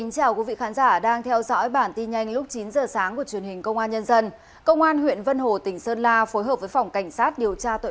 cảm ơn các bạn đã theo dõi